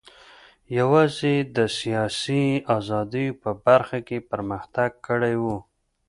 یوازې د سیاسي ازادیو په برخه کې پرمختګ کړی و.